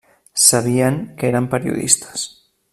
Sabien que érem periodistes.